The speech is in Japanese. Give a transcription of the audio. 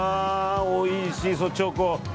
おいしそう、チョコ。